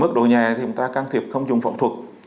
mức độ nhẹ thì chúng ta can thiệp không dùng phẫu thuật